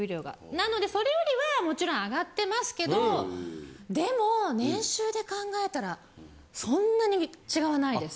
なのでそれよりはもちろん上がってますけどでも年収で考えたらそんなに違わないです。